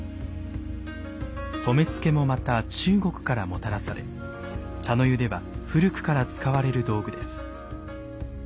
染付もまた中国からもたらされ茶の湯では古くから使われる道具です。